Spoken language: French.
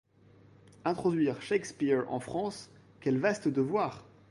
Introduire Shakespeare en France, quel vaste devoir!